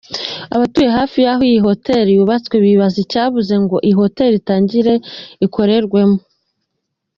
Abatuye hafi y’ aho iyi hoteli yubatswe bibaza icyabuze ngo iyi hoteli itangire ikorerwemo.